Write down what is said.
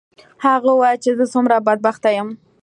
هغه وویل چې زه څومره بدبخته یم.